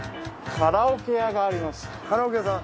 カラオケ屋さん？